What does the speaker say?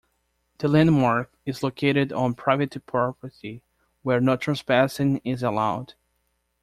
The landmark is located on private property where no trespassing is allowed.